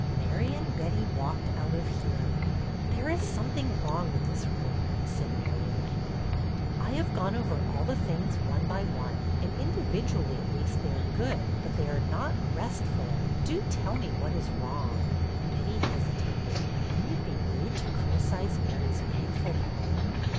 Mary and Betty walked out of hearing. " There is something wrong with this room," said Mary, looking around. " I have gone over all the things one by one; and individually, at least, they are good, but they are not restful. Do tell me what is wrong." Betty hesitated. Wouldn't it be rude to criti cize Mary's beautiful home?